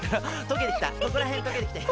とけてきた。